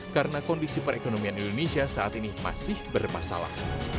karena kondisi perekonomian indonesia saat ini masih berpasalah